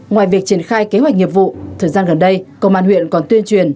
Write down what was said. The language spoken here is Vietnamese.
ngoài việc triển khai kế hoạch nghiệp vụ thời gian gần đây công an huyện còn tuyên truyền